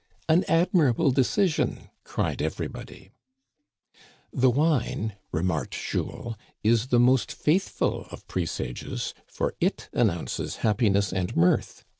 " An admirable decision !" cried everybody. The wine," remarked Jules, " is the most faithful of presages, for it announces happiness and mirth.